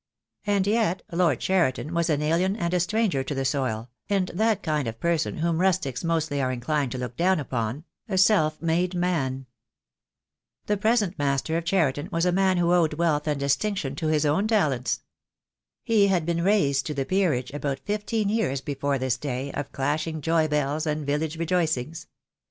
And yet Lord Cheriton was an alien and a stranger to the soil, and that kind of person whom rustics mostly are inclined to look down upon — a self made man. The present master of Cheriton was a man who owed wealth and distinction to his own talents. He had been raised to the peerage about fifteen years before this day of clashing joy bells and village rejoicings.